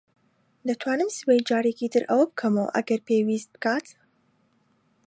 دەتوانم سبەی جارێکی تر ئەوە بکەمەوە ئەگەر پێویست بکات.